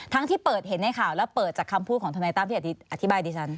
ที่เปิดเห็นในข่าวและเปิดจากคำพูดของทนายตั้มที่อธิบายดิฉัน